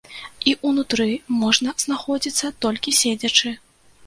І ўнутры можна знаходзіцца толькі седзячы.